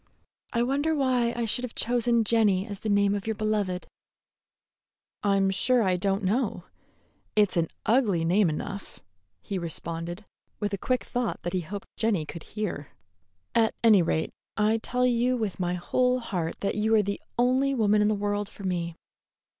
I wonder why I should have chosen Jenny as the name of your beloved." "I'm sure I don't know; it's an ugly name enough," he responded, with a quick thought that he hoped Jenny could hear. "At any rate, I tell you with my whole heart that you are the only woman in the world for me."